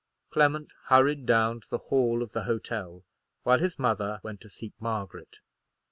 Clement hurried down to the hall of the hotel, while his mother went to seek Margaret.